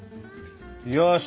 よし！